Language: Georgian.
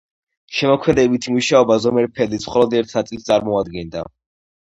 შემოქმედებითი მუშაობა ზომერფელდის მხოლოდ ერთ ნაწილს წარმოადგენდა.